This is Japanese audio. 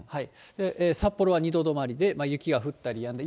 札幌は２度止まりで、雪が降ったりやんだり。